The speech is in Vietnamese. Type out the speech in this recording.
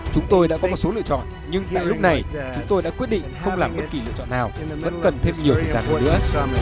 chúng tôi đã có một số lựa chọn nhưng tại lúc này chúng tôi đã quyết định không làm bất kỳ lựa chọn nào vẫn cần thêm nhiều thời gian hơn nữa